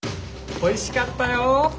おいしかったよ。